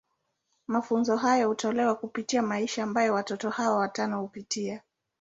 Mafunzo haya hutolewa kupitia maisha ambayo watoto hawa watano hupitia.